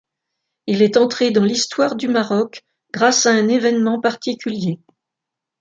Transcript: Il est entré dans l'histoire du Maroc grâce à un événement particulier.